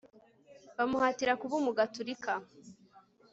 bamuhatira kuba umugatolika